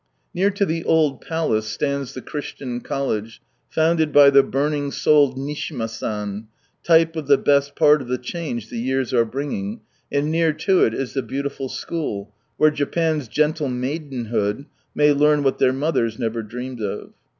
Near to the old palace, stands the Christian College, founded by the burning souled Nishima San, type of the best part of the change the years are bringing, and near lo it is the beautiful school, where Japan's gentle maidenhood may learn what their mothers never dreamed of.